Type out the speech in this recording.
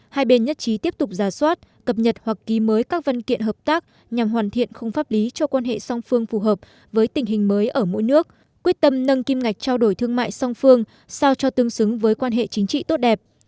hai bên nhất trí tiếp tục giả soát cập nhật hoặc ký mới các văn kiện hợp tác nhằm hoàn thiện khung pháp lý cho quan hệ song phương phù hợp với tình hình mới ở mỗi nước quyết tâm nâng kim ngạch trao đổi thương mại song phương sao cho tương xứng với quan hệ chính trị tốt đẹp